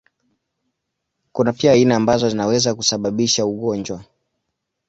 Kuna pia aina ambazo zinaweza kusababisha magonjwa.